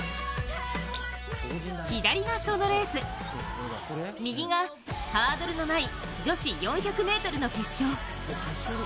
左がそのレース、右がハードルのない女子４００ｍの決勝。